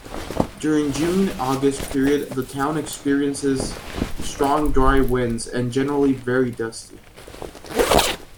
During June-August period the town experiences strong dry winds and generally very dusty.